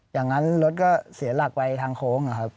อย่างนั้นรถก็เสียหลักไปทางโค้งนะครับ